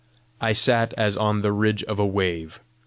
I sat as on the ridge of a wave.